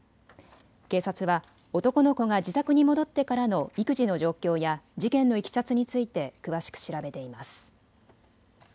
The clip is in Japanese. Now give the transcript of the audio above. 警察は男の子が自宅に戻ってからの育児の状況や事件のいきさつについて詳しく調べています。